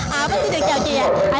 vâng xin được chào chị ạ